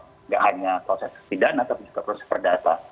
tidak hanya proses pidana tapi juga proses perdata